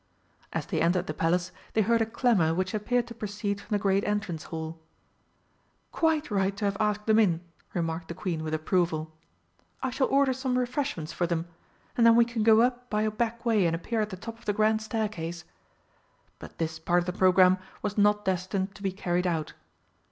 As they entered the Palace they heard a clamour which appeared to proceed from the great Entrance Hall. "Quite right to have asked them in," remarked the Queen with approval. "I shall order some refreshments for them, and then we can go up by a back way and appear at the top of the Grand Staircase." But this part of the programme was not destined to be carried out.